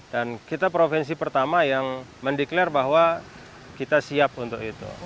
dan kita provinsi pertama yang mendeklarasi bahwa kita siap untuk itu